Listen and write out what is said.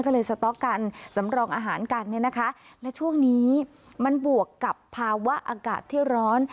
ก็เลยสต๊อกกันสำรองอาหารกันเนี่ยนะคะและช่วงนี้มันบวกกับภาวะอากาศที่ร้อน